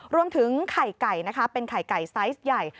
รวมถึงไข่ไก่นะคะเป็นไข่ไก่ไซส์ใหญ่